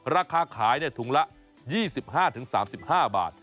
ราคาขายถุงละ๒๕๓๕บาท